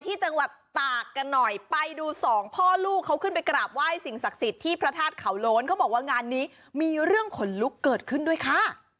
ที่จังหวัดตากกันหน่อยไปดูสองพ่อลูกเขาขึ้นไปกราบไหว้สิ่งศักดิ์สิทธิ์ที่พระธาตุเขาโล้นเขาบอกว่างานนี้มีเรื่องขนลุกเกิดขึ้นด้วยค่ะ